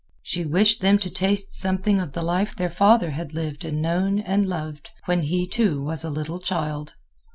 She wished them to taste something of the life their father had lived and known and loved when he, too, was a little child.